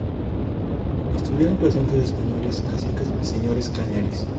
Estuvieron presentes españoles, caciques y señores cañaris.